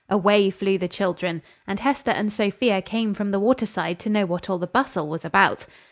Away flew the children; and Hester and Sophia came from the water side to know what all the bustle was about.